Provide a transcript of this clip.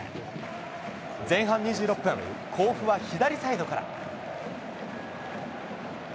前半２６分、甲府は左サイドから。